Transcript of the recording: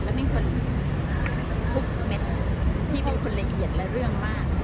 แล้วมีคนคุกเม็ดพี่เป็นคนละเอียดละเรื่องมาก